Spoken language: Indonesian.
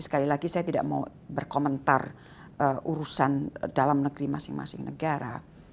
sekali lagi saya tidak mau berkomentar urusan dalam negeri masing masing negara